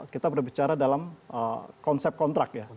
kita berbicara dalam konsep kontrak ya